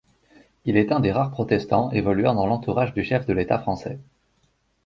Il est un des rares protestants évoluant dans l'entourage du chef de l’État français.